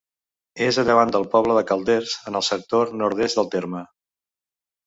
És a llevant del poble de Calders, en el sector nord-est del terme.